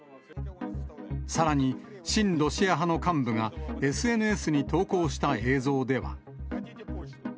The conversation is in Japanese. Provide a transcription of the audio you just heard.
さらに、親ロシア派の幹部が、ＳＮＳに投稿した映像では。